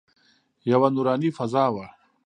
یوه نوراني فضا وه.